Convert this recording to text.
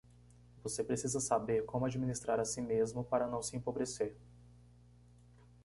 Você precisa saber como administrar a si mesmo para não se empobrecer.